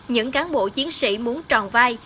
những cán bộ chiến sĩ muốn tròn vai